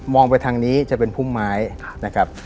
ไปทางนี้จะเป็นพุ่มไม้นะครับ